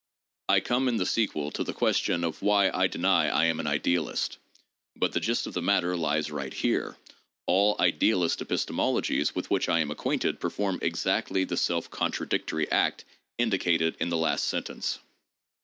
I come in the sequel to the question of why I deny I am an idealist; but the gist of the matter lies right here. All idealist epistemologies with which I am acquainted perform exactly the self contradictory act indicated in the last sentence.